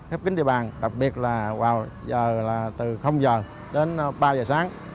khép kính địa bàn đặc biệt là vào giờ là từ h đến ba h sáng